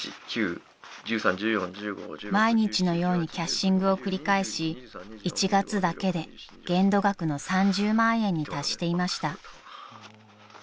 ［毎日のようにキャッシングを繰り返し１月だけで限度額の３０万円に達していました］